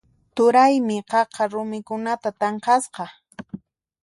Turaymi qaqa rumikunata tanqasqa.